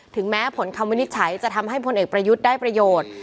แม้ผลคำวินิจฉัยจะทำให้พลเอกประยุทธ์ได้ประโยชน์